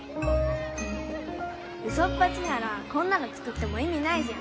ウソっぱちならこんなの作っても意味ないじゃん